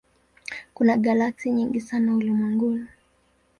Kuna galaksi nyingi sana ulimwenguni.